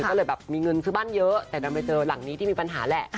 ก็เลยแบบมีเงินซื้อบ้านเยอะแต่ดันไปเจอหลังนี้ที่มีปัญหาแหละ